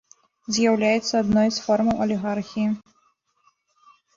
З'яўляецца адной з формаў алігархіі.